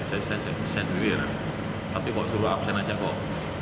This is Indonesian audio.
saya sendiri tapi kalau suruh absen aja kok